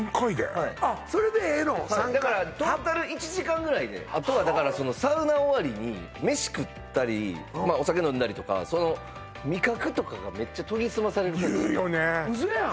はいだからトータル１時間ぐらいであとはだからサウナ終わりに飯食ったりお酒飲んだりとかその味覚とかがめっちゃ研ぎ澄まされる嘘やん！？